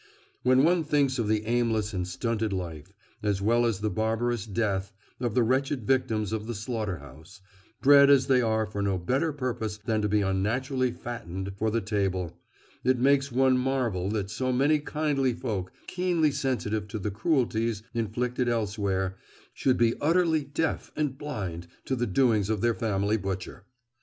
When one thinks of the aimless and stunted life, as well as the barbarous death, of the wretched victims of the slaughter house, bred as they are for no better purpose than to be unnaturally fattened for the table, it makes one marvel that so many kindly folk, keenly sensitive to the cruelties inflicted elsewhere, should be utterly deaf and blind to the doings of their family butcher.